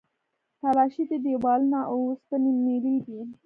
تلاشۍ دي، دیوالونه او اوسپنې میلې دي.